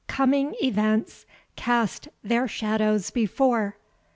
Coming events cast their shadows before.